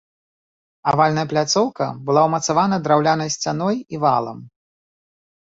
Авальная пляцоўка была ўмацавана драўлянай сцяной і валам.